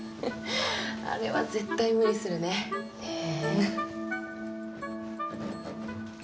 あれは絶対無理するね。ねぇ。